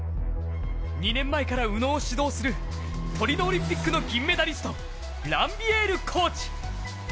２年前から宇野を指導するトリノオリンピックの銀メダリストランビエールコーチ。